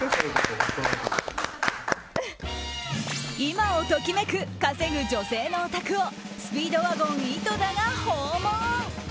今を時めく稼ぐ女性のお宅をスピードワゴン井戸田が訪問！